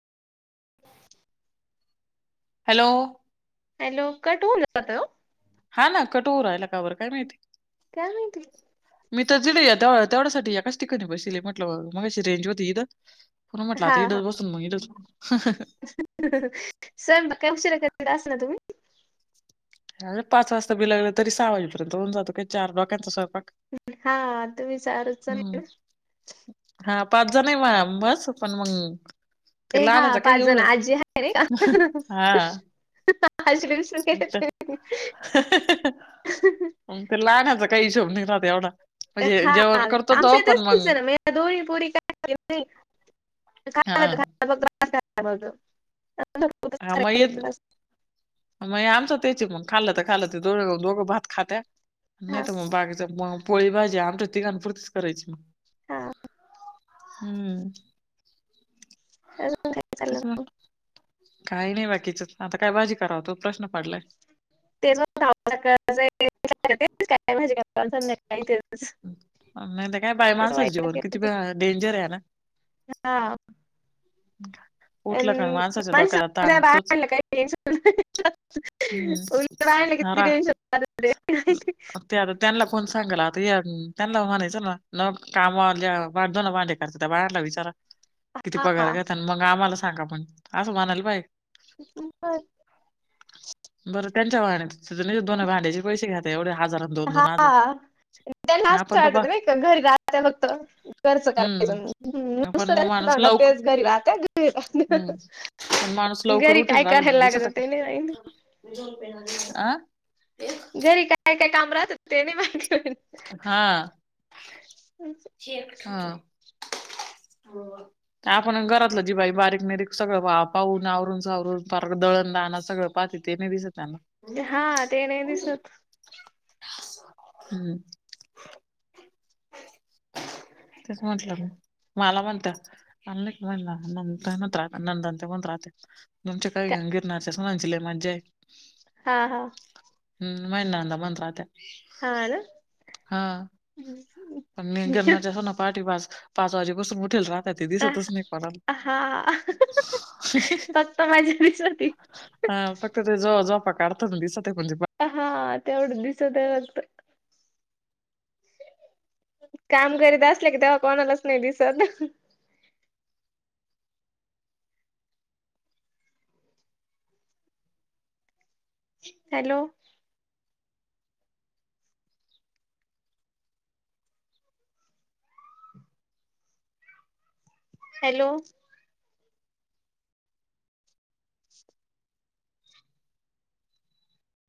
Hello. Hello, कटहून जातोय ओ. हा ना, कट हू राहयला. का बरं काय माहिती? काय माहिती मी तर दिलं तेवढ्यासाठी एकाच ठिकाणी बसीली, म्हटलं मगाशी रेंज होती इथं. पण म्हटलं आता इथंच बसून मग इथंच सर [unintelligible] तुम्ही? अ पाच वाजता बि लागलं, तरी सहा वाजेपर्यंत होऊन जातो. काय चार डोक्याचा स्वयपाक. हा, तुम्ही चारच जण आहे ना. हा, पाच जण आहे म बस. पण मंग ए हा पाच जण, आजी आहे नाही का? हां. आजीला विसरून गेले मी. ते लहाण्याचा, काही हिशोब नि राहत एवढा. म्हणजे हा जेवण करतो आमचं तो पण येतं मग [unintelligible] हां. [unintelligible] हॅलो. हा, म येतं मग हे आमचं तेच आहे, खाल्लं तर खाल्लं तर दो दोघं भात खात्या. हा नाही तर मग बाकीचा, मग पोळी भाजी आमच्या तिघांनपुरतीच करायची. हा. हम्म. हॅलो, काय तेच चाललं? मग काही नाही बाकीचं, आता काय भाजी करावंतो प्रश्न पडलाय. [unintelligible] नाही तर काय बाय माणसाचं जीवन किती डेंजर आहे ना. [unintelligible] हा. हा. तोच [unintelligible] हम्म हा रा [unintelligible] ते आता त्यांना कोण सांगल, आता या त्यांना म्हणायचं ना लोक कामवाल्या धूणं भांडे त्या बाहेरला विचारा, किती पगार घेता न मग आम्हाला सांगा पण असं म्हणाल पाई पर बरं त्यांच्या वागण्यात धुन, भांड्याचे पैसे घेतात एवढ्या हजारात? हा त्यांना [unintelligible] आपण तर बा वाटत नाही का घरी राहत फक्त खर्च करायच हम्म पण नुसत मग त्याच्या माणूस लवकर तोंडात हम्म तेच. पण माणूस [unintelligible] लवकर घरी काय करायला लागत ते नाही [unintelligible] आं? घरी काय काय काम राहतं ते नाही [unintelligible] हां हां. आपण घरातलं जी बाई बारीक नीरीक सगळं पाहून आवरून सावरून फार दळणदाण सगळं पाहती ते नाही दिसत त्यांना. हा ते नाही दिसत. हम्म. [inaudible] तेच म्हंटलं म मला म्हणतात [unintelligible] तुमच्या का- काय [unintelligible] हां हां. हम्म महिना मंत राहत्या. हा ना? हा पण मी गेरणारच्या सूना पहाटे पाच पाच वाजे बसून उठेल रा राहते ती आ- स्वतःच नीट हा [unintelligible] फक्त माझ्या दिसत हा फक्त ते ज झोपा काडथान दिसत ये कोन तरी म्ह हा तेवढं दिसत ये वाटत? काम करीत असले की तेव्हा कोणालाच नाही दिसत. हॅलो. हॅलो.